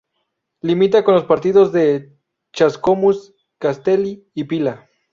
Limita con los partidos de Chascomús, Castelli y Pila.